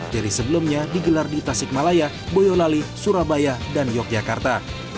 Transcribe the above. dari sebelumnya digelar di tasikmalaya boyolali surabaya dan yogyakarta